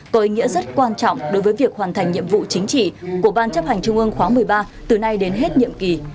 có ý nghĩa rất quan trọng đối với việc hoàn thành nhiệm vụ chính trị của ban chấp hành trung ương khóa một mươi ba từ nay đến hết nhiệm kỳ